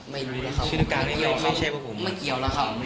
ไม่รู้นะครับไม่เกี่ยวนะครับ